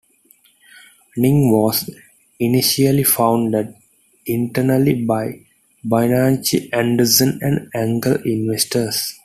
Ning was initially funded internally by Bianchini, Andreessen and angel investors.